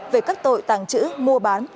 về các tội tàng trữ mua bán